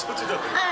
はい。